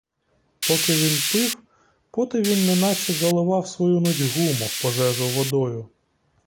Поки він пив, поти він неначе заливав свою нудьгу, мов пожежу водою.